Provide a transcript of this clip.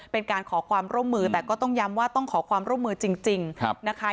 เป็นการขอความร่วมมือแต่ก็ต้องย้ำว่าต้องขอความร่วมมือจริงนะคะ